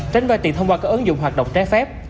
tránh vay tiền thông qua các ứng dụng hoạt động trái phép